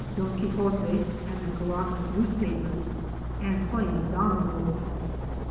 Don Quixote and the Caracas newspapers and playing dominos.